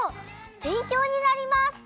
べんきょうになります！